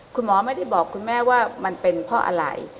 คุณหมอไม่ได้บอกคุณแม่ว่ามันเป็นเพราะอะไร